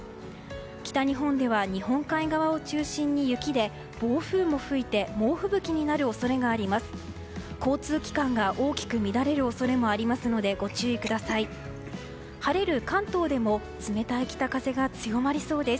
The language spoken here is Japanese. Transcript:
北日本では日本海側を中心に雪で暴風も吹いて猛吹雪になる恐れもあります。